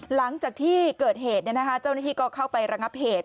หลังจากที่เกิดเหตุเจ้าหน้าที่ก็เข้าไประงับเหตุ